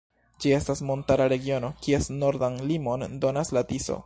Ĝi estas montara regiono, kies nordan limon donas la Tiso.